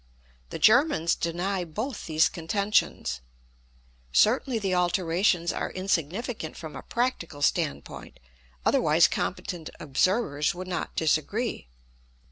The Germans deny both these contentions. Certainly the alterations are insignificant from a practical standpoint; otherwise competent observers would not disagree.